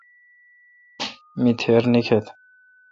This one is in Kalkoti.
می تیر نیکیتھ۔